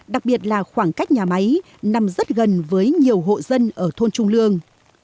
đặc biệt là khoảng cách nhà máy nằm rất gần với nhiều hộ dân ở thôn trung lương